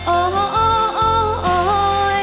โอ้โห้โโอโอ